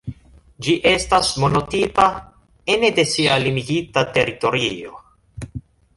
Ĝi estas monotipa ene de sia limigita teritorio.